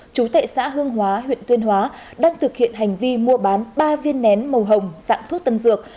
chú tệ xã hương hóa huyện tuyên hóa đang thực hiện hành vi mua bán ba viên nén màu hồng dạng thuốc tân dược